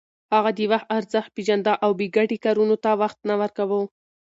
هغه د وخت ارزښت پېژانده او بې ګټې کارونو ته وخت نه ورکاوه.